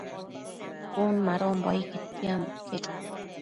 Cun madonbo ai quetianbo iquec